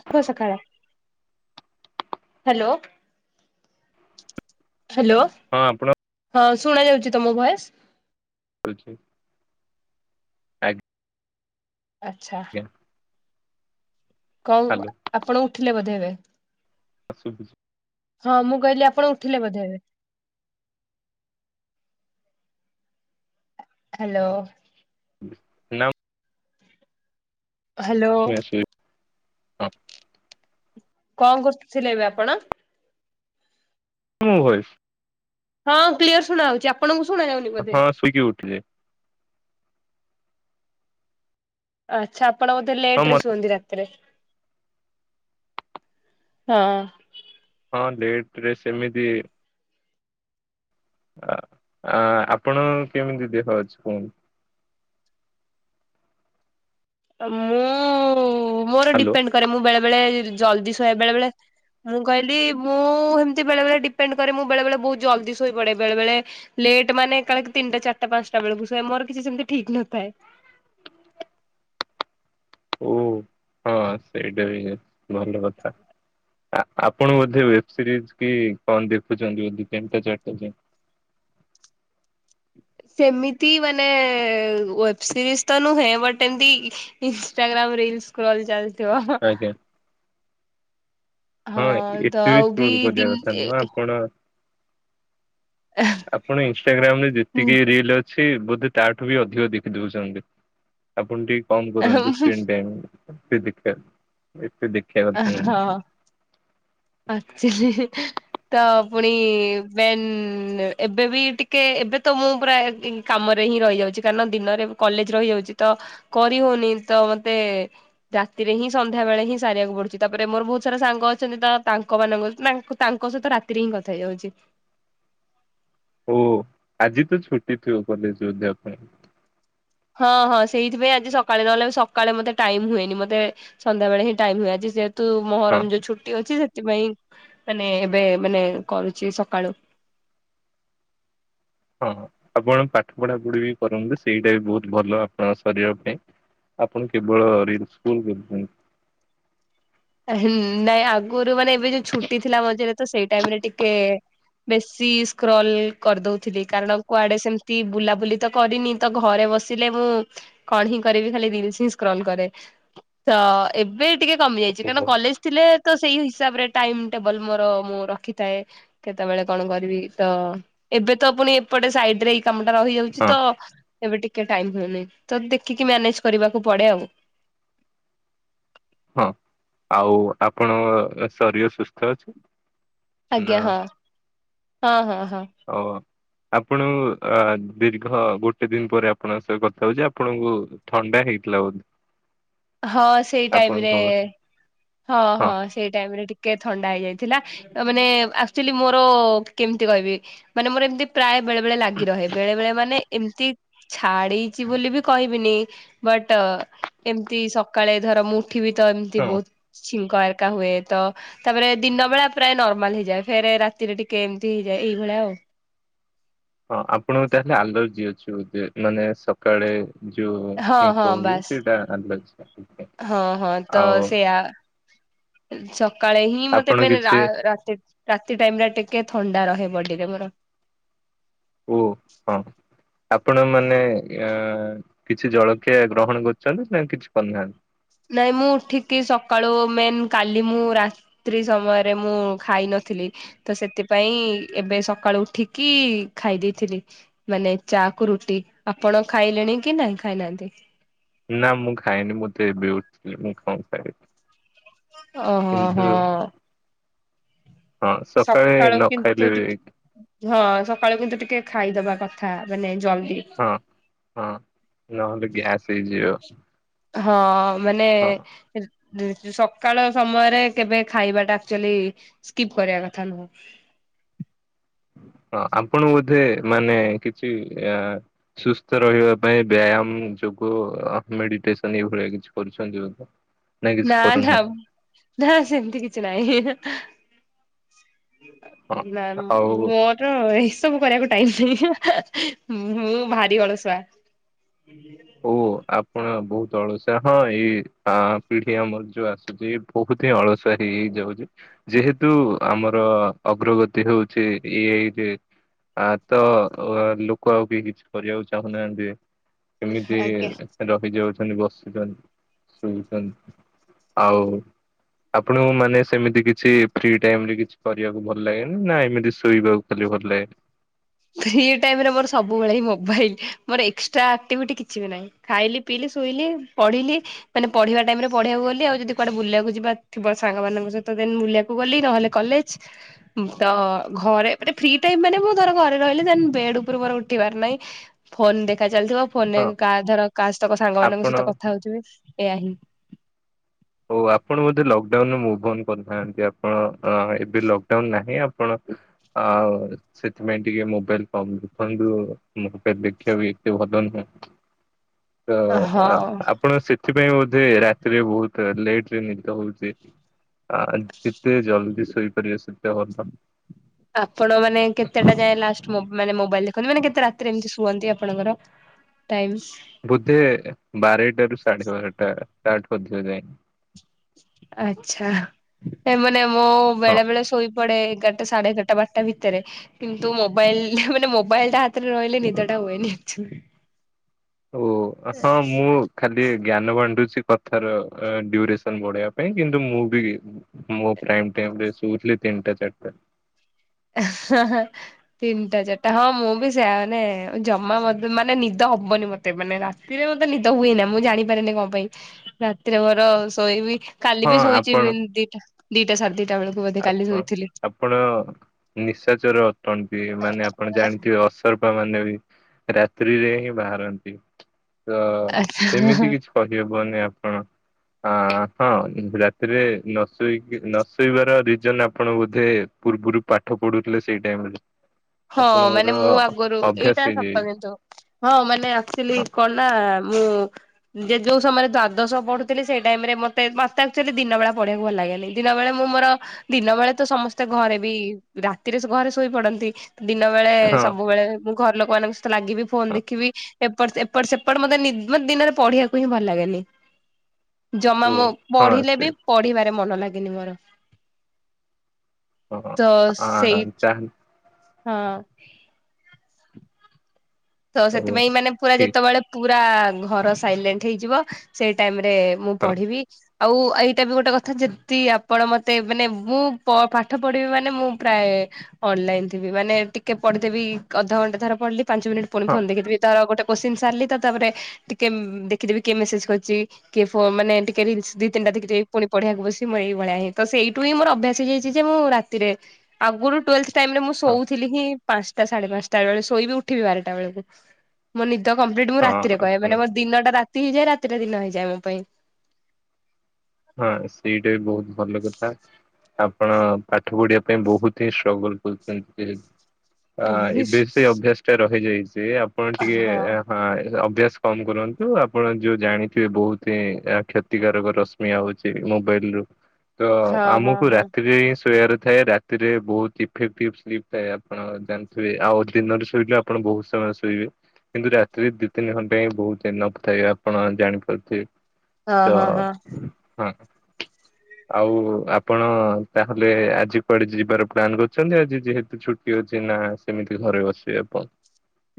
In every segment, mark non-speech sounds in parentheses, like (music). ଆସିବୁ ସଖାଳେ hello hello. ହଁ ଆପଣ ହଁ ଶୁଣା ଯାଉଚି ତମ ଭଏସ। (inaudible) ଆଚ୍ଛା। ଆଜ୍ଞା। କଣ ହାଲୋ ଆପଣ ଉଠିଲେ ବୋଧେ ଏବେ? (inaudible) ହଁ ମୁଁ କହିଲି ଆପଣ ଉଠିଲେ ବୋଧେ ଏବେ। ହାଲୋ। ହାଲୋ। ହାଲୋ। ମୁଁ ଶୋଇ ହଁ କଣ କରୁଥିଲେ ଏବେ ଆପଣ? ମୁଁ କହିବି (unintelligible) ହଁ କ୍ଲିୟର ଶୁଣା ହୋଉଚି। ଆପଣଙ୍କୁ ଶୁଣା ଯାଉନି ବୋଧେ? ହଁ ଶୋଇକି ଉଠିବେ। ଆଚ୍ଛା ଆପଣ ବୋଧେ ହଁ ଲେଟରେ ମ ଶୁଅନ୍ତି ରାତିରେ। ତିରେ ହଁ। ହଁ ଲେଟ ରେ ସେମିତି ଅ ଆ ଆପଣ କେମିତି ଦେହ ଅଛି କୁହନ୍ତୁ? ମୁଁ ମୋର ହାଲୋ ଡିପେଣ୍ଡ କରେ ମୁଁ ବେଳେ ବେଳେ ଜଲଦି ଶୁଏ ବେଳେ ବେଳେ। ମୁଁ କହିଲି ମୁଁ ସେମିତି ବେଳେ ବଳେ ଡିପେଣ୍ଡ କରେ ମୁଁ ବେଳେ ବେଳେ ବହୁତ ଜଲ୍ଦି ଶୋଇ ପଡେ। ବେଳେ ବଳେ ଲେଟ ମାନ କାଳେ ତିନିଟା ଚାରିଟ ପାଞ୍ଚଟା ବେଳକୁୁ ଶୁଏ ମୋର କିଛି ସେମିତି ଠିକ୍ ନଥାଏ। ଓ ହଁ ସେଇଟା ବି ଭଲ କଥା। ଆପଣ ବୋଧେ ୱେବ ସିରିଜ କି କଣ ଦେଖୁଛନ୍ତି। ବୋଧେ ତିନିଟା ଚାରିଟା ଯାଏଁ। ସେମିତି ମାନେ ୱେବ ସିରିଜ ତ ନୁହେଁ ବଟ୍ ଏମ୍ ତି ଇଷ୍ଟା ଗ୍ରାମ ରିଲ୍ସ କ୍ର ଚାଲିଥିବ। ଆଜ୍ଞା ହଁ ଏତ ତ ବେଶି ଆଉ କୋ ବି କରିବା ଦିନ କଥା ନୁହ ଆପଣ ଆପଣ ଇନ୍‌ଷ୍ଟା ଗ୍ରାମ୍ ରେ ଯେତିକି ରିଲ୍ ଅଛି। ସେ ବୋଧେ ତା ଠୁ ବି ଅଧିକ ଦେଖି ଦଉଛନ୍ତି। ଆପଣ ଟିକେ କମ କରନ୍ତୁ ହଁ ସ୍କ୍ରିନ ଟାଇମ୍ ଏତେ ଦେଖିବା କଥା ନୁହଁ। ହଁ ଆଚୁଲି। ତ ପୁଣି ବନ୍ ଏବେ ବି ଟିକେ ଏବେ ତ ମୁଁ ପୁରା କାମରେ ହିଁ ରହିଯାଉଛି କାରଣ ଦିନରେ କଲେଜ ରହିଯାଉଛି। ତ କରି ହଉନି ତ ମତେ ରାତିରେ ହିଁ ସନ୍ଧ୍ୟାବେଳେ ହିଁ ସାରିବାକୁ ପଡୁଛି। ତାପରେ ମୋର ବହୁତ ସାରା ସାଙ୍ଗ ଅଛନ୍ତି ତା ତାଙ୍କ ମାନଙ୍କ ତାଙ୍କ ସହିତ ରାତିରେ ହିଁ କଥା ହେଇଯାଉଛି। ଓ ଆଜି ତ ଛୁଟି ଥିବ କଲେଜବଧେ ପାଇଁ ହଁ ହଁ ସେଇଥିପାଇଁ ଆଜି ସକାଳେ ନହଲେ ସକାଳେ ମତେ ଟାଇମ ହୁଏନି। ମତେ ସନ୍ଧ୍ୟାବେଳେ ହିଁ ଟାଇମ ହୁଏ। ଆ ତୁ ହଁ। ମହରମ ଯୋଉ ଛୁଟି ଅଛି ସେଥିପାଇଁ ମାନେ ଏବେ ମାନେ କରୁଛି ସକାଳୁ ହଁ ଆପଣ ପାଠ ପଢାପଢି ବି କରନ୍ତୁ ସେଇଟା ବି ବହୁତ ଭଲ ଆପଣଙ୍କ ଶରୀର ପାଇଁ। ଆପଣ କେବଳ ରିଲ୍ସ କୁ ନାଇଁ ଆଗରୁ ମାନେ ଏବେ ଯୋଉ ଛୁଟି ଥିଲା। ମଝିରେ ତ ସେଇ ଟାଇମ ରେ ଟିକେ ବେଶୀ ସ୍କ୍ରଲ କରିଦଉଥିଲି। କାରଣ କୁଆଡେ ସେମତି ବୁଲାବୁଲି ତ କରିନି। ତ ଘରେ ବସିଲେ ମୁଁ କଣ ହିଁ କରିବି ଖାଲି ଦିଲ୍ ସ୍କ୍ରନ୍ କରେ। ତ ଏବେ ଟିକେ କମିଯାଇଛି। ଓହୋ ଥିଲେ ତ ସେଇ ହିସାବରେ ଟାଇମ୍ ଟେବଲ ମୋର ମୁଁ ରଖିଥାଏ। କେତେବେଳେ କଣ କରିବି ତ ଏବେ ତ ପୁଣି ଏପଟେ ସାଇଟ ରେ କାମ ଟା ରହିଯାଉଛି ହଁ ତ ଏବେ ଟିକେ ଟାଇମ୍ ହୁଏନି ତ ଦେଖିକି ମ୍ୟାନେଜ କରିବାକୁ ପଡେ ଆଉ। ହଁ ଆଉ ଆପଣଙ୍କ ଶରୀର ସୁସ୍ଥ ଅଛି। ନା ଆଜ୍ଞା ହଁ ହଁ ହଁ ହଁ। ଓ। ଆପଣ ଅ ଦୀର୍ଘ ଗୋଟେ ଦିନ ପରେ ଆପଣଙ୍କ ସ କଥା ହଉଛି। ଆପଣଙ୍କୁ ଥଣ୍ଡା ହେଇଥିଲା ବୋଧେ। ହଁ ସେଇ ଟାଇମ୍ ରେ ଆପଣଙ୍କ ହଁ ହଁ ହଁ ସେଇ ଟାଇମ୍ ରେ ଟିକେ ଥଣ୍ଡା ହେଇଯାଇଥିଲା। ମାନେ ଆକ୍ଚୁଆଲି ମୋର କେମିତି କହିବି। ମାନେ ମୋର ଏମିତି ପ୍ରାୟ ବେଳେ ବେଳେ ଲାଗି ରହେ ବେଳେ ବେଳେ ମାନେ ଏମତି। ଛାଡଚି ବୋଲି ବି କହିବିନି ବଟ। ତି ସକାଳେ ଧର ମୁଁ ଉଠି ବି ତ ଏମିତି ହଁ ବହୁତ ଛିଙ୍କ ଅରକା ହୁଏ ତ। ତାପରେ ଦିନ ବେଳା ପ୍ରାୟ ନର୍ମାଲ ହେଇଯାଏ। ଫେରେ ରାତିରେ ଟିକେ ଏମିତି ହେଇଯାଏ ଏଇଭଳିଆ ଆଉ। ହଁ ଆପଣଙ୍କୁ ତାହେଲେ ଆଲର୍ଜି ଅଛି ଏମିତି ମାନେ ସକାଳେ ଯୋଉ ହଁ ହଁ ଛିଙ୍କ ହୁଏ ବାସ୍ ସେଇଟା ଆଲର୍ଜି ହଁ ହଁ ତ ଆଉ। ସେଇଆ ସକାଳେ ହିଁ ମତେ ଆପଣ ମେ ରା କିଛି ରାତି ରାତି ଟାଇମ୍ ରେ ଟିକେ ଥଣ୍ଡା ରହେ ବଡିରେ ମୋର। ଓ ହଁ ଆପଣ ମାନେ ଇଏ କିଛି ଜଳଖିଆ ଗ୍ରହଣ କରିଛନ୍ତି ନା କିଛି କରିନାହାନ୍ତି। ନାଇଁ ମୁଁ ଉଠିକି ସକାଳୁ ମେନ୍ କାଲି ମୁଁ ରା। ତ୍ରୀ ସମୟରେ ମୁଁ ଖାଇ ନଥିଲି। ତ ସେଥିପାଇଁ ଏବେ ସକାଳୁ ଉଠିକି ଖାଇ ଦେଇଥିଲି। ମାନେ ଚା କୁ ରୁଟି ଆପଣ ଖାଇଲେଣି କି ନାଇଁ ଖାଇନାହାନ୍ତି? ନା ମୁଁ ଖାଇନି ମୁତ ଏବେ ଉଠିଲି ମୁଁ କଣ ଖାଇବି। ଓହୋ ହୋ କିନ୍ତୁ ହ। ହଁ ସକାଳେ ସକାଳୁ ନ ଖାଇଲେ କିନ୍ତୁ ବି ଟିଟି ଝ ସକାଳୁ କିନ୍ତୁ ଟିକେ ଖାଇଦବା କଥା ମାନେ ଜଲଦି। ହଁ ହଁ ନହେଲେ ଗ୍ୟାସ୍ ହେଇଯିବ। ହଁ ମାନେ ହଁ। ସକାଳ ସମୟରେ କେବେ ଖାଇବାଟା ଆକଚୁଆଲୀ ସ୍କିପ୍ କରିବା କଥା ନୁହଁ। ହଁ ଆପଣ ବୋଧେ ମାନେ କିଛି ଏ ସୁସ୍ଥ ରହିବା ପାଇଁ ବ୍ୟାୟାମ ଯୋଗୁଁ ମେଡିଟେସନ ଏଭଳିଆ କିଛି କରୁଛନ୍ତି ବୋଧେ? ନାଇଁ କିଛି ନା ନା କରୁନାହାନ୍ତି ନା ସେମିତି କିଛି ନାହିଁ। ହଁ। ନା ଆଉ ମୁଁ। ର ଏସବୁ କରିବାକୁ ଟାଇମି ନାହିଁ ମୁଁ ଭାରି ଅଳସୁଆ। ଓ ଆପଣ ବହୁତୁ ଅଳସୁଆ ହଁ ଏଇ ପା ପିଢି ଆମର ଯୋଉ ଆସୁଛି ବହୁତୁ ହିଁ ଅଳସୁଆ ହେଇ ଯାଇଚ ହୋଉଛି। ଯେହେତୁ ଆମର ଅଗ୍ରଗତି ହଉଛି ଏ ଆ ଇ ରେ। ଆ ତ ଲୋକ ହା କ ଆଉ କେହି କିଛି କରିବାକୁ ଚାହୁଁନାହାନ୍ତି। କେମିତି ଆଜ୍ଞା ରହିଯାଉଛନ୍ତି, ବସୁଛନ୍ତି, ସୋଇଛନ୍ତି। ଆଉ। ଆପଣଙ୍କୁ ମାନେ ସେମିତି କିଛି ଫ୍ରି ଟାଇମରେ କିଛି କରିବାକୁ ଭଲ ଲାଗେନା ନା ଏମିତି ଶୋଇବାକୁ ଖାଲି ଭଲଲାଗେ। ଫ୍ରି ଟାଇମ ରେ ମୋର ସବୁବେଳେ ହିଁ ମୋବାଇଲ ମୋର ଏକ୍ସଟ୍ରା ଆକ୍ଟିଭିଟି କିଛି ବି ନାହିଁ। ଖାଇଲି, ପିଇଲି, ଶୁଇଲି, ପଢିଲି। ମାନେ ପଢିବା ଟାଇମ ରେ ପଢିବାକୁ ଗଲି ଆଉ ଯଦି କୁଆଡେ ବୁଲିବାକୁ ଯିବା ଥିବ ସାଙ୍ଗମାନାନଙ୍କ ସହିତ ଦେନ୍ ବୁଲିବାକୁ ଗୁ ଗଲି ନହେଲେ କଲେଜ ତ ଘରେ ମାନେ ଫ୍ରି ଟାଇମି ମାନେ ମୁଁ ଘରେ ରହିଲେ ଦେନ୍ ବେଡ ଉପୁରୁ ମୋର ଉଠିବାର ନାହିଁ ଫୋନ ଦେଖା ଚାଲିଥିବ ଫୋନ ହଁ ନେଇ କାହା ଧର କାହାସ୍ତଙ୍କ ସାଙ୍ଗ ମାନଙ୍କ ଆପଣ ସହିତ କଥା ହେଉଥିବି ଏୟାଆ ହିଁ। ହଉ ଆପଣ ବୋଧେ ଲକଡାଉନ ମୁଁ ବନ୍ଦ କରିନାହାନ୍ତି ଆପଣ ଏବେ ଲକଡାଉନ ନାହିଁ ଆପଣ? ଆଉ। ସେଥିପାଇଁ ଟିକେ ମୋବାଇଲ କମ୍ ଦେଖନ୍ତୁ ମୋବାଇଲ ଦେଖିବା ବି ଏତେ ଭଲ ନୁହେଁ। ତ ଆ ହଁ। ଆପଣ ସେଥିପାଇଁ ବୋଧେ ରାତିରେ ବହୁତ୍ ଲେଟ୍ରେ ହଉଚି। ଆ ଯେତେ ଜଲଦି ଶୋଇପାରିବେ ସେତେ ଭଲ। ଆପଣ ମାନେ କେତେଟା ଯାଏ ଲାଷ୍ଟ ମ ମାନେ ମୋବାଇଲ ଦେଖନ୍ତି ମାନେ କେତେ ରାତିରେ ଏମିତି ଶୁଅନ୍ତି ଆପଣଙ୍କର ଟାଇମସ୍? ବୋଧେ ବାରେଟ ରୁ ସାଢେ ବାରଟା ତାଠୁ ଅଧିକ ଯାଇନି। ଆଛା ଏମାନେ ମୋ ହଁ। ବେଳେ ବେଳେ ଶୋଇପଡୋ ଏଗାର ସାଢେ ଏ ଗାରଟା ବାରଟା ଭିତରେ କିନ୍ତୁ ମୋବାଇଲ ମାନେ ମୋବାଇଲ ଟା ହାତରେ ରହିଲେ ନିଦ ଟା ହୁଏନି ଆକଚୁଆଲି। ଓ ହଁ ମୁଁ ଖାଲି ଜ୍ଞାନ ବାଣ୍ଟୁଛି କଥାର ଡ୍ୟରେସନ ବଢେଇବା ପାଇଁ କିନ୍ତୁ ମୁଁ ବି ମୁଁ ପ୍ରାଇମ ଟାଇମ ରେ ଶୁଥିଲି ତିନିଟା ଚାରିଟା। ହ ତିନିଟା ଚାରିଟା ହଁ ମୁଁ ବି ସେ ୟାମାନେ ଜମା ମାନେ ନିଦ ହବନି ମତେ ମାନେରାତି ରାତିରେ ମତେ ନିଦ ହୁଏ ନା ମୁଁ ଜାଣିପାରେିନି କଣ ପାଇଁ ରାତିରେ ମୋର ଶୋଇବି। କାଲି ହଁ ବି ଶୋଇଛିି ଆପଣ ଏଭନ୍ ଦିଟା ଦିଟା ସାଢ଼େ ଦିଟା ବେକୁ ଆପଣ ଆପଣ ନିଶାଚରେ ଅଟନ୍ତି ମାନେ ଆପଣ ଜାଣିଥିବେ ଅ ସର୍ପ ମାନେ ବି ରାତ୍ରିରେ ହିଁ ବାହାରନ୍ତି ତ ଆଚ୍ଛା ସେମିତି କିଛି କହିହବନି ଆପଣ ଆ ହଁ ରାତିରେ ନ ଶୋଇକି ନ ଶୋଇବାର ଦି ଜଣ ଆପଣ ବୋଧେ ପୂର୍ବରୁ ପାଠ ପଢୁଥିଲେ ସେଇ ଟାଇମରେ ହଁ ଆପଣଙ୍କର ମାନେ ମୁଁ ଆଗରୁ ଅଭ୍ୟାସ ଏଇଟା ସତ ହେଇଯାଇଛି କିନ୍ତୁ, ହଁ ମାନେ ଆଚୁଆଲି ହଁ କଣ ନା ମୁଁ ଯେଉସୟରେ ଦ୍ଵାଦଶ ପଢୁଥିଲେ ସେଇ ଟାଇମ ରେ ମତେ ମତେ ଆଚୁଆଲି ଦିନ ବେଳା ପଢିବାକୁ ଭଲ ଲାଗେନି, ଦିନ ବେଳେ ମୁଁ ମୋର ଦିନ ବେଳେ ତ ସମସ୍ତେ ଘରେ ବି ରାତିରେ ଘରେ ଶୋଇ ପଡନ୍ତି। ଦିନ ବେଳେ ହଁ ସବୁବେଳେ ମୁଁ ଘର ଲୋକ ମାନଙ୍କ ସହିତ ଲାଗିବି, ଫୋନ ଦେଖିବି, ଏପଟ ଏପଟ ସେପଟ ମତେ ନି ମ ଦିନରେ ପଢିବାକୁ ହିଁ ଭଲ ଲାଗେନି, ଜମା ଓ ମୋ ହଁ ପଢିଲେ ସେ ବି ପଢିବାରେ ମନ ଲାଗେନି ମୋର। ହଁ ତ ହଁ ସେଇ ତାହେଲେ ହଁ ତ ହଉ ସେଥିପାଇଁ ମାନେ ପୁରା ଠିକ ଯେତେବେଳେ ପୁରା ଘର ସାଇଲେଣ୍ଟ ହେଇଯିବ, ସେଇ ଟାଇମରେ ମୁଁ ହଁ ପଢିବି, ଆଉ ଏଇଟା ବି ଗୋଟେ କଥା ଯେତିି ଆପଣ ମତେ ମାନେ ମୁଁ ପ ପାଠ ପଢିବି ମାନେ ମୁଁ ପ୍ରାୟେ ଅନଲାଇନ ଥିବି ମାନେ ଟିକେ ପଢିଦେବି ଅଧଘଣ୍ଟା ଧନ୍ୟ ପଢିଲି ପାଞ୍ଚ ମିନିଟ୍ ପୁଣି ହଁ ଫୋନ ଦେଖିଦେବି ତାର ଆଉ ଗୋଟେ କୋସିନି ସାରିଲି ତ ତାପରେ ଟିକେ ଦେଖିଦେବି କିଏ ମେସେଜ କରିଛି? କିଏ ଫୋ ମାନେ ଟିକେ ରିଲ୍ସ୍ ଦି ତିନିଟା ଦେଖିଦେବି ପୁଣି ପଢିଆକୁ ବସି ମୋ ଏଇଳିଆ ହିଁ ତ ସେଇଠୁିଁ ମୋର ଅଭ୍ୟାସ ହେଇ ଯାଇଛି ଯେ ମୁଁ ରା ତିରେ ଆଗରୁ ଟୁଏଲେଥେ ଟାଇମ ରେ ମୁଁ ହଁ ଶୋଉଥିଲି ହିଁ ପାଞ୍ଚଟା ସାଢେ ପାଞ୍ଚଟା ବେଳେ ଶୋଇବି ଉଠିବି ବାରଟା ବେଳକୁ। ମୋ ନିଦ କମ୍ପ୍ଲିଟ ମୁଁ ହଁ ରାତିରେ କରେ ଆପଣ ମାନେ ମୋ ଦିନଟା ରାତି ହେଇଯାଏ ରାତିଟା ଦିନ ହେଇଯାଏ ମୋ ପାଇଁ। ହଁ ସେଇଟା ବି ବହୁତ ଭଲ କଥା। ଆପଣ ପାଠ ପଢିବା ପାଇଁ ବହୁତ ହିଁ ଷ୍ଟ୍ରଗଲ କରୁଛନ୍ତି। ଅ ଏବେ ହଁ ସେଇ ଅଭ୍ୟାସ ଟା ରହିଯାଇଛି ଆପଣ ଟିକେ ହଁ ଆ ହଁ ଅଭ୍ୟାସ କମ୍ କରନ୍ତୁ ଆପଣ ଯୋଉ ଜାଣିଥିବେ ବହୁତ ହିଁ କ୍ଷତିକାରକ ରସ ଶ୍ମି ଆଉଛି ମୋବାଇଲ ରୁ ତ ହଁ ଆମକୁ ହଁ ରାତିରେ ହିଁ ଶୋଇବାର ଥାଏ ରା ରାତିରେ ବହୁତ ଇଫେଟିକ୍ ସ୍କିପ ଥାଏ ଆପଣ ଜାଣିଥିବେ ଆଉ ଦିନରେ ଶୋଇଲେ ଆପଣ ବହୁତ ସମୟ ଶୋଇବେ। କିନ୍ତୁ ରାତିରେ ଦି ତିନି ଘଣ୍ଟା ହିଁ ବହୁତ ଏନଫ୍ ଥାଏ, ଆପଣ ଜାଣିପାରୁଥି ହଁ ହଁ ହଁ। ହଁ ଆଉ ଆପଣ, ତାହେଲେ ଆଜି କୁଆଡେ ଯିବାର ପ୍ଲାନ୍ କରୁଛନ୍ତି ଆଜି ଯେହେତୁ ଛୁଟି ଅଛି ନା ସେମିତି ଘରେ ବସିବେ ଆପଣ?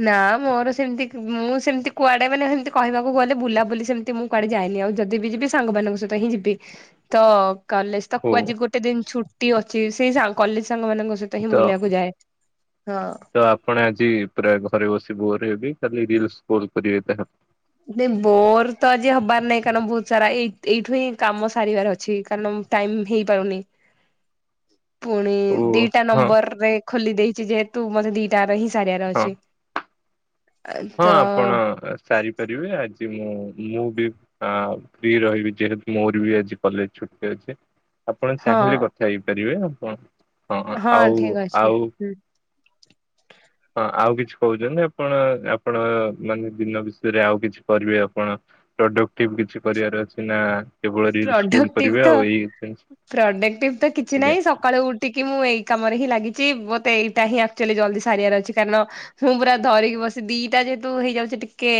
ନା ମୋର ସେମତି ମୁଁ ସେମିତି କୁଆଡେ ମାନେ ହେମିତି କହିବାକୁ ଗଲେ ବୁଲାବୁଲି ସେମିତି ମୁଁ କୁଆଡେ ଯାଇନି ଆଉ ଯଦି ବି ଯିବି ସାଙ୍ଗମାନଙ୍କ ସହିତ ହିଁ ଯିବି ତ କଲେ ତ ହଉ କୁ ଆଜି ଗୋଟେ ଦିନ ଛୁଟି ଅଛି। ସେଇ ସା କଲେଜ ସାଙ୍ଗ ମାନଙ୍କ ସହିତ ତ ହିଁ ବୁଲିବାକୁ ଯାଏ ତ ହଁ। ତ ଆପଣ ଆଜି ପୁରା ଘରେ ବସି ବୋର୍ ହେବେ ଖାଲି ରିଲସ ସ୍କ୍ରୋଲ କରିବେ ଯାହା, ନାଇ ବୋର ତ ଆଜି ହବାର ନାଇଁ କାରଣ ବହୁତ ସାରା ଏଇ ଏଇଠୁ ହିଁ କାମ ସାରିବାର ଅଛି କାରଣ ଟାଇମ୍ ହେଇପାରୁନି। ପୁଣି ଓ ଦିଟା ହଁ ନମ୍ବର ରେ ଖୋଲି ଦେଇଛି ଯେହେତୁ ମତେ ଦିଟା ରେ ସାରିଆର ହଁ ଅଛି। ହଁ ତ ଆପଣ ସାରିପାରିବେ ଆଜି ମୁଁ ମୁଁ ବି ହଁ ଫ୍ରି ରହିବି ଯେହେତୁ ମୋର ବି ଆଜି କଲେଜ ଛୁଟି ଅଛି। ଆପଣ ହଁ ଚାହିଁଲେ କଥା ହେଇପାରିବେ, ଆପଣ ହଁ ଆଉ ଠିକ ଅଛି। ଆଉ ହଁ ଆଉ କିଛି କହୁଛନ୍ତି ଆପଣ ଆ ଆପଣ ମାନେ ଦିନ ବିଷୟରେ ଆଉ କିଛି କରିବେ ଆପଣ, ପ୍ରଡକ୍ଟିଭ କିଛି କରିବାର ଅଛି ନା କେବଳ ରିଲ ସ୍କୁଲ ପ୍ରଡକ୍ଟିଭ କରିବେ ତ ଆଉ ଏଇ ଜିନିଷ? ପ୍ରଡକ୍ଟିଭ ତ କିଛି ଆଜ୍ଞା ନାହିଁ ସକାଳୁ ଉଠ ଟିକେ ମୁଁ ଏଇ କାମରେ ହିଁ ଲାଗିଛି ମୋତେ ଏଇଟା ହିଁ ଆକ୍ଚୁଆଲି ଜଲଦି ସାରିବାର ଅଛି କାରଣ ମୁଁ ପୁରା ଧରିକି ବସି ଦିଟା ଯେହେତୁ ହେଇଯାଉଛି ଟିକେ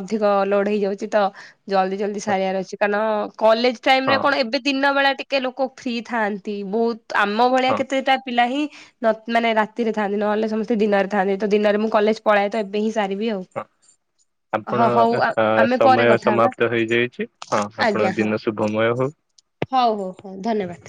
ଅଧିକ ଲୋଡ ହେଇଯାଉଛି ତ। ଜଲ୍ଦି ଜଲ୍ଦି ସାରିବାର ଅଛି କାରଣ କଲେଜ ଟାଇମ ରେ ହଁ କଣ ଏବେ ଦିନ ବେଳା ଟିକେ କେ ଲୋକ ଫ୍ରି ଥାଆନ୍ତି ବହୁତ ଆମ ହଁ ଭଳିଆ ହଁ କେତେଟା ପିଲା ହିଁ ମାନେ ରାତିରେ ଥାନ୍ତି ନହେଲେ ସମସ୍ତେ ଦିନରେ ଥାନ୍ତି ତ ଦିନରେ ମୁଁ କଲେଜ ପଳଏ ତ ଏବେ ହିଁ ସାରିବି ଆଉ। ହଁ ହଁ ଆପଣ ହଉ ଆମେ ପରେ ସମୟ କଥା ହବା ସମାପ୍ତ ହେଇଯାଇଛି ହଁ ଆଜ୍ଞା ଆପଣ ହଁ ଦିନ ଶୁଭମୟ ହଉ। ହଉ ହଉ ହଉ ଧନ୍ୟବାଦ।